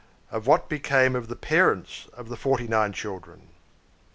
OF WHAT BECAME OF THE PARENTS OF THE FORTY NINE CHILDREN.